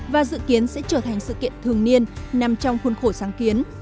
và dự kiến sẽ trở thành sự kiện thường niên nằm trong khuôn khổ sáng kiến